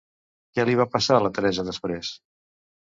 Què li va passar a la Teresa després?